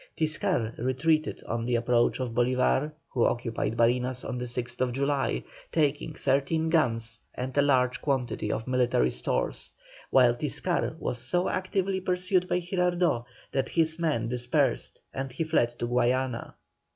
Tiscar retreated on the approach of Bolívar, who occupied Barinas on the 6th July, taking 13 guns and a large quantity of military stores, while Tiscar was so actively pursued by Girardot, that his men dispersed, and he fled to Guayana.